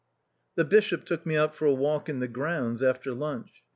The Bishop took me out for a walk in the grounds after lunch.